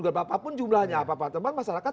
beberapa pun jumlahnya apa apa teman teman masyarakat